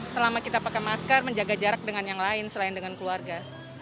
selama kita pakai masker menjaga jarak dengan yang lain selain dengan keluarga